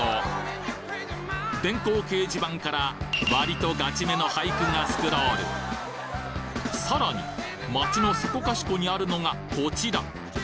電光掲示板から「割とガチめの俳句」がスクロールさらに！街のそこかしこにあるのがコチラ！